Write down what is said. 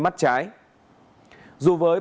mắt trái dù với